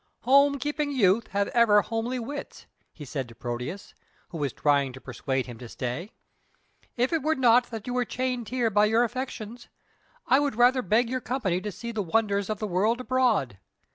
"Home keeping youth have ever homely wits," he said to Proteus, who was trying to persuade him to stay. "If it were not that you were chained here by your affections I would rather beg your company to see the wonders of the world abroad.